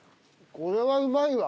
これはうまいわ。